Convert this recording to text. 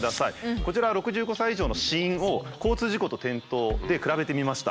こちらは６５歳以上の死因を交通事故と転倒で比べてみました。